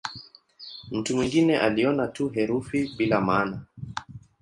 Mtu mwingine aliona tu herufi bila maana.